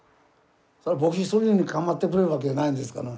それは僕一人に構ってくれるわけではないんですから。